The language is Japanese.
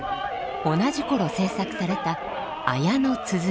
同じ頃制作された「綾の鼓」。